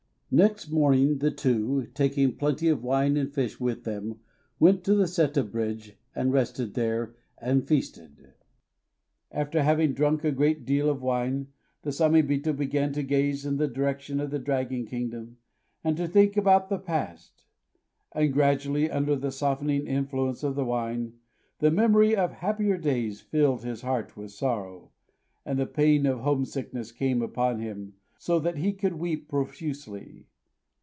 Next morning the two, taking plenty of wine and fish with them, went to the Séta bridge, and rested there, and feasted. After having drunk a great deal of wine, the Samébito began to gaze in the direction of the Dragon Kingdom, and to think about the past. And gradually, under the softening influence of the wine, the memory of happier days filled his heart with sorrow, and the pain of homesickness came upon him, so that he could weep profusely.